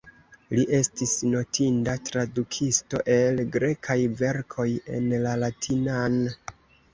Li estis notinda tradukisto el grekaj verkoj en la latinan.